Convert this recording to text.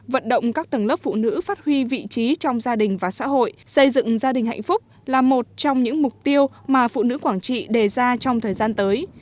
vận động các tầng lớp phụ nữ phát huy vị trí trong gia đình và xã hội xây dựng gia đình hạnh phúc là một trong những mục tiêu mà phụ nữ quảng trị đề ra trong thời gian tới